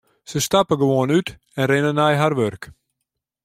Se stappe gewoan út en rinne nei har wurk.